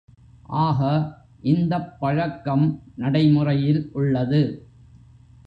ஆக இந்தப் பழக்கம் நடைமுறையில் உள்ளது.